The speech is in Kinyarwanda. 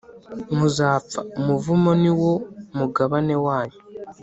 muzapfa, umuvumo ni wo mugabane wanyu.